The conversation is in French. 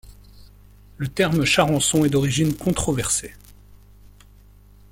Le terme charançon est d'origine controversée.